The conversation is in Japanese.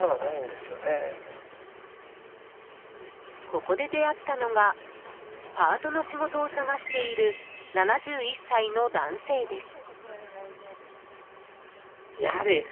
ここで出会ったのがパートの仕事を探している７１歳の男性です。